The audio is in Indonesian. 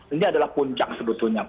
ini adalah puncak sebetulnya